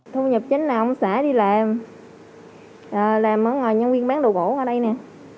thu nhập chính là ông xã đi làm làm ở ngoài nhân viên bán đồ gỗ ở đây nè